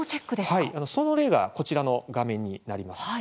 その例がこちらの画面になります。